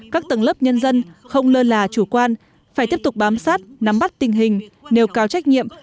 các tầng lớp nhân dân không lơ là chủ quan phải tiếp tục bám sát nắm bắt tình hình nêu cao trách nhiệm